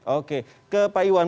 oke ke pak iwan